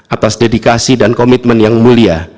atas dedikasi dan komitmen yang mulia